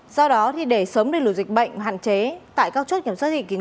do đó thì để sớm đưa lùi dịch bệnh hạn chế tại các chốt kiểm soát dịch